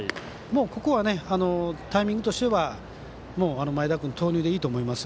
ここは、タイミングとしては前田君投入でいいと思います。